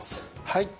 はい。